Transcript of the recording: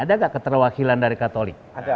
ada nggak keterwakilan dari katolik